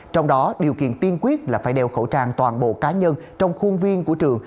trong đó điều kiện tiên quyết là phải đeo khẩu trang toàn bộ cá nhân trong khuôn viên của trường